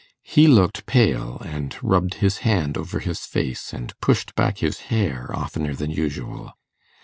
He looked pale, and rubbed his hand over his face and pushed back his hair oftener than usual.